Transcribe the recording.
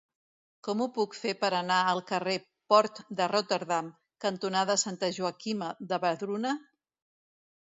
Com ho puc fer per anar al carrer Port de Rotterdam cantonada Santa Joaquima de Vedruna?